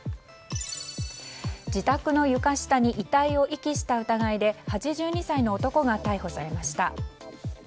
自宅の床下に遺体を遺棄した疑いで８２歳の男が逮捕されました。